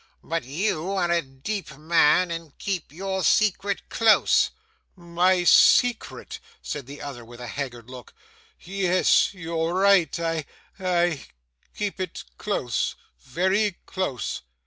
But you are a deep man, and keep your secret close.' 'My secret!' said the other with a haggard look. 'Yes, you're right I I keep it close very close.